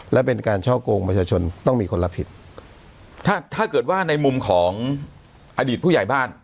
และเป็นการช่อกงประชาชนต้องมีคนรับผิดถ้าถ้าเกิดว่าในมุมของอดีตผู้ใหญ่บ้าน